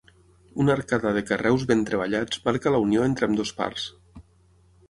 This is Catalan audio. Una arcada de carreus ben treballats marca la unió entre ambdues parts.